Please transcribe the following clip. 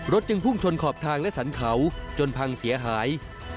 จึงพุ่งชนขอบทางและสรรเขาจนพังเสียหาย